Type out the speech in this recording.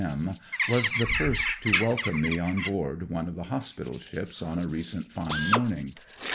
M was the first to welcome me on board one of the hospital ships on a recent fine mommg.